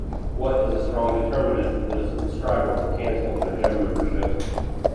What is a strong determinant that a subscriber will cancel their Gym membership?